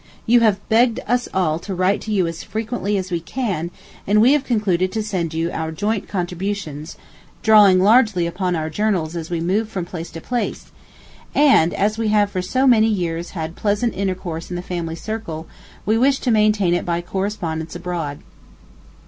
You have begged us all to write to you as frequently as we can, and we have concluded to send you our joint contributions, drawing largely upon our journals as we move from place to place; and, as we have for so many years had pleasant intercourse in the family circle, we wish to maintain it by correspondence abroad.